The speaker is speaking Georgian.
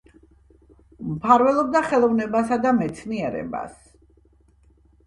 მფარველობდა ხელოვნებასა და მეცნიერებას.